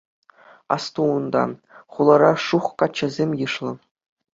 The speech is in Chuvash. Асту унта, хулара шух каччӑсем йышлӑ.